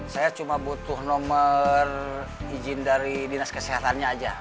saya cuma butuh nomor izin dari dinas kesehatannya aja